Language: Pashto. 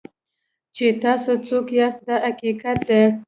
چې تاسو څوک یاست دا حقیقت دی.